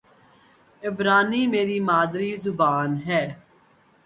عبرانی میری مادری زبان ہے